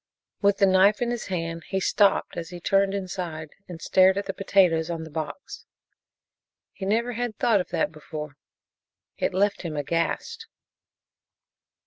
With the knife in his hand he stopped as he turned inside and stared at the potatoes on the box. He never had thought of that before it left him aghast.